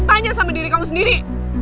tanya sama diri kamu sendiri